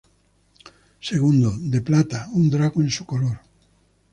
Segundo, de plata, un drago en su color.